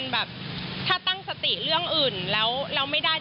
ถ้าตั้งสติเรื่องอื่นแล้วไม่ได้จริง